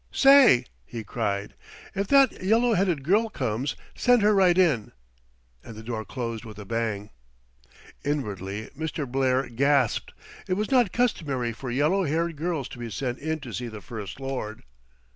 "Say," he cried, "if that yellow headed girl comes, send her right in," and the door closed with a bang. Inwardly Mr. Blair gasped; it was not customary for yellow haired girls to be sent in to see the First Lord.